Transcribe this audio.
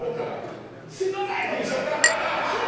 「すみません！」って言うしか。